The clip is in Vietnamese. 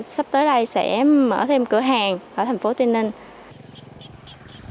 sắp tới đây sẽ mở thêm cửa hàng ở thành phố tây ninh